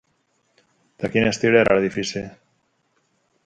De quin estil era l'edifici?